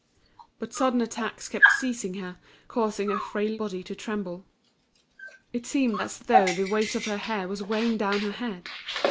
But sudden attacks kept seizing her, causing her frail body to tremble. It seemed as though the weight of her hair was weighing down her head.